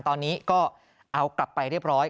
ตอนนี้ก็เอากลับไปเรียบร้อย